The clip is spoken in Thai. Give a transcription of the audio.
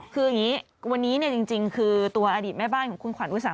คืออย่างนี้วันนี้จริงคือตัวอดีตแม่บ้านของคุณขวัญอุตสาห